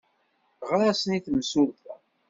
Ɣer-asen i yemsulta!